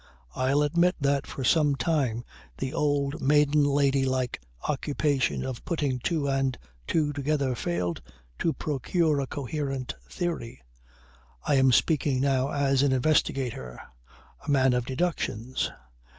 I'll admit that for some time the old maiden lady like occupation of putting two and two together failed to procure a coherent theory. I am speaking now as an investigator a man of deductions.